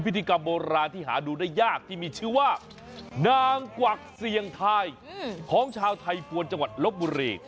พิธีกรรมโบราณที่หาดูได้ยากที่มีชื่อว่านางกวักเสี่ยงทายของชาวไทยภวรจังหวัดลบบุรี